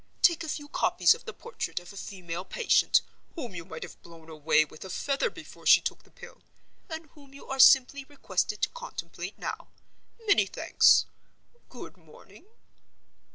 Take a few copies of the portrait of a female patient, whom you might have blown away with a feather before she took the Pill, and whom you are simply requested to contemplate now. Many thanks. Good morning."